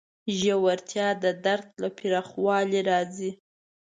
ژورتیا د درک له پراخوالي راځي.